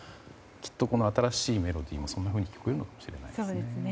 この新しいメロディーもまた、そんなふうに聞こえるかもしれませんね。